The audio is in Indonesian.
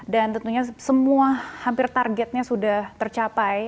dan tentunya semua hampir targetnya sudah tercapai